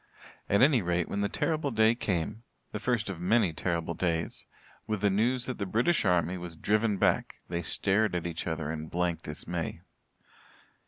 At any rate, when the terrible day came the first of many terrible days with the news that the British army was driven back they stared at each other in blank dismay.